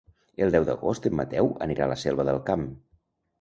El deu d'agost en Mateu anirà a la Selva del Camp.